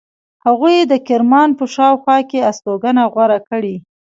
هغوی د کرمان په شاوخوا کې استوګنه غوره کړې.